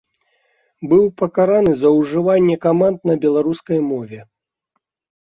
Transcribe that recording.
Быў пакараны за ўжыванне каманд на беларускай мове.